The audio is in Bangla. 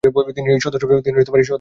তিনি এই সদস্যপদে বহাল ছিলেন।